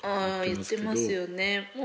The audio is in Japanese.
言ってますよね。